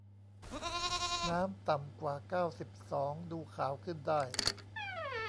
น้ำต่ำกว่า เก้าสิบสอง ดูขาวขึ้นได้